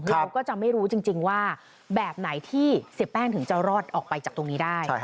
เราก็จะไม่รู้จริงว่าแบบไหนที่เสียแป้งถึงจะรอดออกไปจากตรงนี้ได้